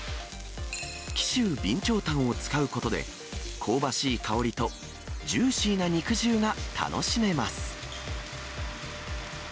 紀州備長炭を使うことで、香ばしい香りとジューシーな肉汁が楽しめます。